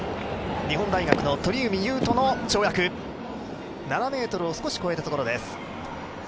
日本大学の鳥海勇斗の跳躍、７ｍを少し越えたところです。